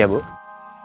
sampai jumpa lagi